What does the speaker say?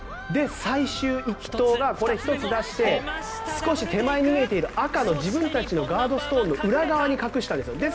最終の一投が１つ出して少し手前に見えていた赤の自分たちのガードストーンの裏側に隠したんです。